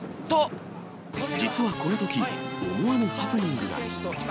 実はこのとき、思わぬハプニングが。